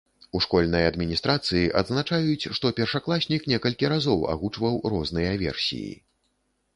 У школьнай адміністрацыі адзначаюць, што першакласнік некалькі разоў агучваў розныя версіі.